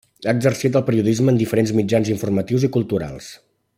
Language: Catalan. Ha exercit el periodisme en diferents mitjans informatius i culturals.